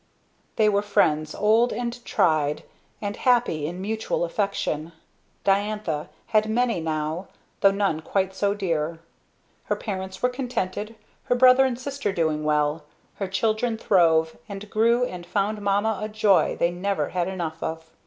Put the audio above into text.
They were friends old and tried, and happy in mutual affection. Diantha had many now, though none quite so dear. Her parents were contented her brother and sister doing well her children throve and grew and found Mama a joy they never had enough of.